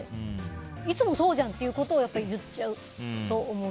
いつもそうじゃん！ってことをやっぱ言っちゃうと思う。